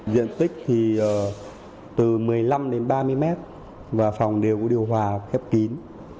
diện tích thì từ một mươi năm đến ba mươi mét và phòng đều có điều hòa khép kín